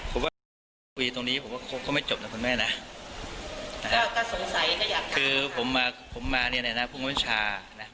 คือผมมาผมมาเนี่ยนะพุงพันธุ์ชา